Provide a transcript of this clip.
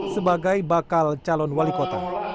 sebagai bakal calon wali kota